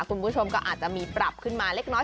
คุณผู้ชมก็อาจจะมีปรับขึ้นมาเล็กน้อย